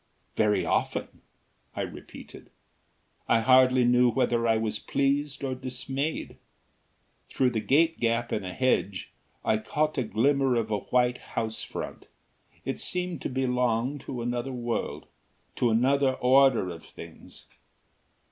"Very often?" I repeated. I hardly knew whether I was pleased or dismayed. Through the gate gap in a hedge, I caught a glimmer of a white house front. It seemed to belong to another world; to another order of things.